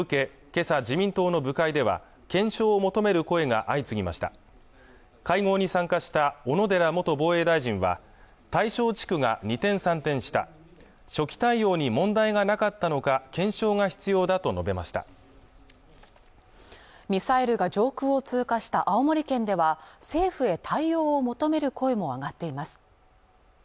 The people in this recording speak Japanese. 今朝自民党の部会では検証を求める声が相次ぎました会合に参加した小野寺元防衛大臣は対象地区が二転三転した初期対応に問題がなかったのか検証が必要だと述べましたミサイルが上空を通過した青森県では政府へ対応を求める声も上がっています